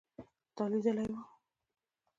تا لیدلی و